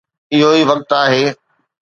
اهو ئي وقت آهي